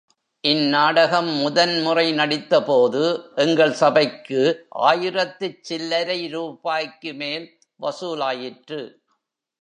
இந் நாடகம் முதன் முறை நடித்த போது எங்கள் சபைக்கு ஆயிரத்துச் சில்லரை ரூபாய்க்கு மேல் வசூலாயிற்று.